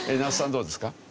どうですか？